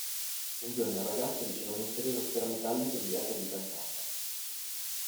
Un giorno il ragazzo riceve una misteriosa sfera metallica inviatagli dal nonno.